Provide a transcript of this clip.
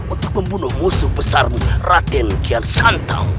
untuk membunuh musuh besar raden kiansantau